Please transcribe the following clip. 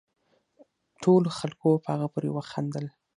ټولو خلقو په هغه پورې وخاندل